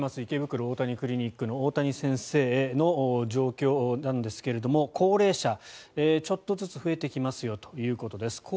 池袋大谷クリニックの大谷先生の状況なんですが高齢者、ちょっとずつ増えてきますよということです。